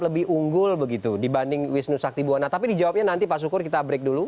lebih unggul begitu dibanding wisnu sakti buwana tapi dijawabnya nanti pak sukur kita break dulu